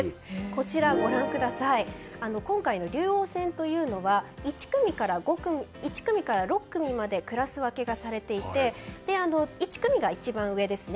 こちらは今回の竜王戦というのが１組から６組までクラス分けがされていて１組が一番上ですね。